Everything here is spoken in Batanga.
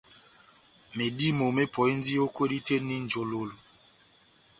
Medímo mepɔhindi o kwedi tɛh eni njololo